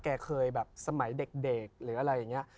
แกเคยแบบสมัยเด็กหรืออะไรอย่างนี้